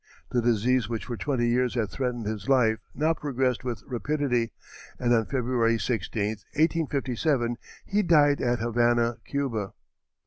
The disease which for twenty years had threatened his life now progressed with rapidity, and on February 16, 1857, he died at Havana, Cuba.